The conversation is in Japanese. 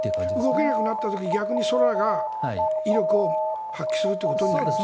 動けなくなった時に逆に空が威力を発揮するということですね。